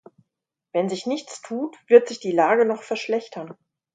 Wenn sich nichts tut, wird sich die Lage noch verschlechtern.